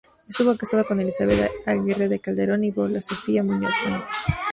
Estuvo casado con Elizabeth Aguirre de Calderón y Paola Sofía Muñoz Fuentes.